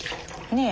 ねえ。